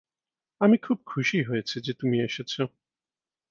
আমি খুব খুশি হয়েছি যে তুমি এসেছ.